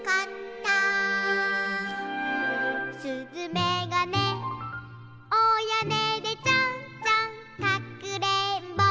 「すずめがねおやねでちょんちょんかくれんぼ」